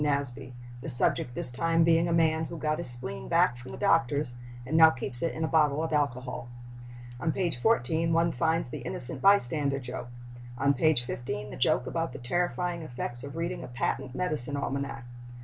Nasby, the subject this time being a man "who got his spleen back from the doctor's and now keeps it in a bottle of alcohol." On page 14 one finds the innocent bystander joke; on page 15 the joke about the terrifying effects of reading a patent medicine almanac.